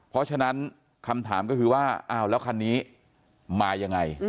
เพราะฉะนั้นคำถามก็คือว่าอ้าวแล้วคันนี้มายังไง